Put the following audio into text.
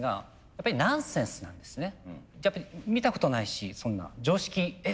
やっぱり見たことないしそんな常識え！